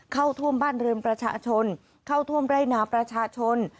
เข้าท่วมบ้านเรือนประชาชนเข้าท่วมไร่นาประชาชน